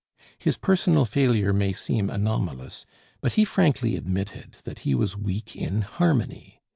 His personal failure may seem anomalous, but he frankly admitted that he was weak in harmony.